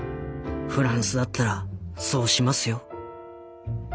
フランスだったらそうしますよ」。